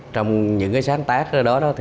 trong những sáng tác đó